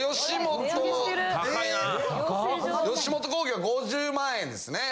吉本興業は５０万円ですね。